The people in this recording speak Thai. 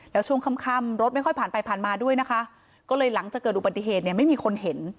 แล้วช่วงค่ำรถไม่ค่อยผ่านไปผ่านมาด้วยนะคะก็เลยหลังจากเกิดอุบัติเหตุเนี่ยไม่มีคนเห็น